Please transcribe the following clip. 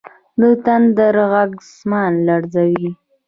د تندر ږغ اسمان لړزوي.